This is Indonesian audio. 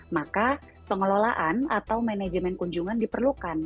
maka pengelolaan atau manajemen kunjungan diperlukan